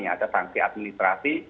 ada sanksi administrasi